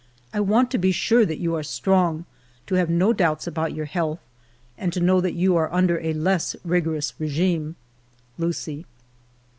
I want to be sure that you are strong, to have no doubts about your health, and to know that you are under a less rigorous regime. Lucie.